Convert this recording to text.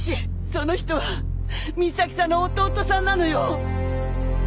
その人は美咲さんの弟さんなのよ。